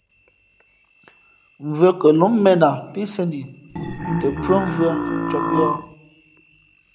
Mvʉ̄ᾱ kαlóm mēn a pí sēn i tα pʉ́άmvʉ̄ᾱ cōb yα̌h.